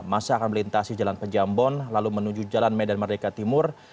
masa akan melintasi jalan pejambon lalu menuju jalan medan merdeka timur